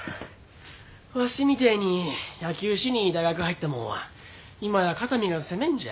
わしみてえに野球しに大学入ったもんは今や肩身が狭んじゃ。